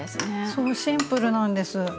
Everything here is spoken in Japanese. そうシンプルなんです。